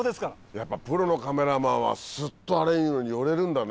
やっぱプロのカメラマンはスッとあれに寄れるんだね。